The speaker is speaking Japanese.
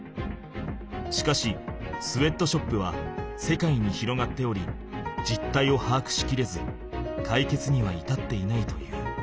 しかしスウェットショップは世界に広がっておりじったいをはあくしきれずかいけつにはいたっていないという。